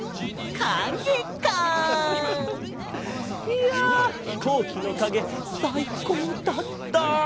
いやひこうきのかげさいこうだった！